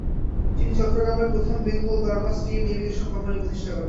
তিনি চট্টগ্রামে প্রথম Bengal Burma steam navigation company প্রতিষ্ঠা করেন।